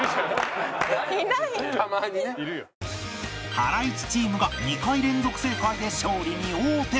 ハライチチームが２回連続正解で勝利に王手